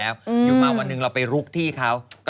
อยู่มาวันหนึ่งเราไปลุกที่เขา